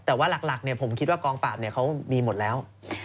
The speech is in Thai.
แต่ว่าหลักผมคิดว่ากองปราบเขามีหมดแล้ว